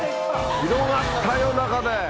広がったよ、中で。